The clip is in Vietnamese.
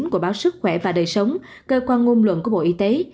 của báo sức khỏe và đời sống cơ quan ngôn luận của bộ y tế